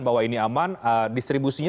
bahwa ini aman distribusinya